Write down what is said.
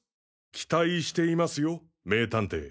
期待していますよ名探偵。